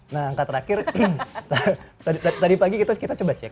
nah angka terakhir tadi pagi kita coba cek